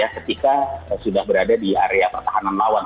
ketika sudah berada di area pertahanan lawan